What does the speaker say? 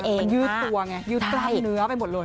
มันยืดตัวไงยืดกล้ามเนื้อไปหมดเลย